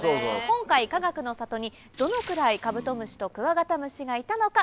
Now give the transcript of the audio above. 今回かがくの里にどのくらいカブトムシとクワガタムシがいたのか？